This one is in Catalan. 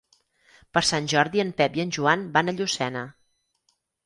Per Sant Jordi en Pep i en Joan van a Llucena.